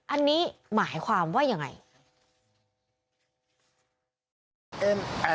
อันนี้หมายความว่ายังไง